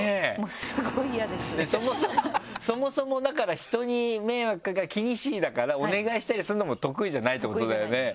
そもそもだから人に迷惑かかる気にしいだからお願いしたりするのも得意じゃないってことだよね。